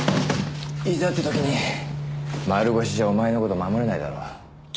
いざって時に丸腰じゃお前の事守れないだろ。